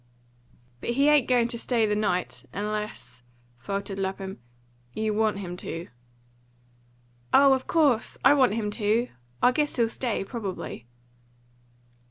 "But he ain't going to stay the night unless," faltered Lapham, "you want him to." "Oh, of course, I want him to! I guess he'll stay, probably."